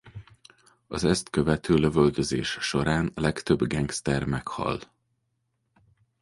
Az ezt követő lövöldözés során a legtöbb gengszter meghal.